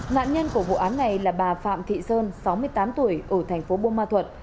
nạn nhân của vụ án này là bà phạm thị sơn sáu mươi tám tuổi ở thành phố buôn ma thuật